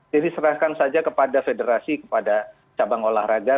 jadi serahkan saja kepada federasi kepada cabang olahraga